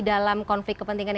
dalam konflik kepentingan